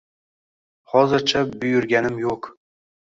Hozircha buyurganim yo`q